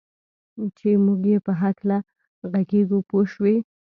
چې موږ یې په هکله ږغېږو پوه شوې!.